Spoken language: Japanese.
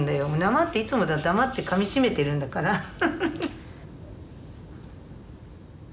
黙っていつもだって黙ってかみしめてるんだからハハハ。